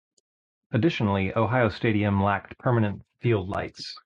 Additionally, Ohio Stadium lacked permanent field lights.